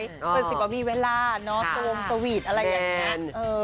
เป็นสิ่งที่มันมีเวลาเนอะโทรมสวีทอะไรอย่างนี้